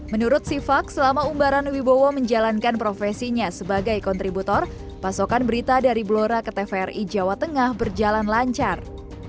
menurut sifak selama umbaran wibowo menjalankan profesinya sebagai kontributor pasokan berita dari blora ke tvri jawa tengah berjalan lancar